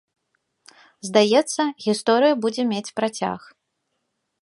Здаецца, гісторыя будзе мець працяг.